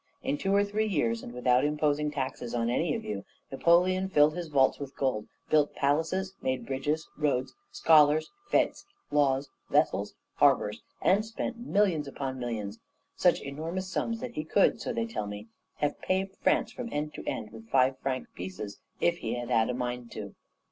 In two or three years, and without imposing taxes on any of you, Napoleon filled his vaults with gold, built palaces, made bridges, roads, scholars, fêtes, laws, vessels, harbours, and spent millions upon millions such enormous sums that he could, so they tell me, have paved France from end to end with five franc pieces, if he had had a mind to.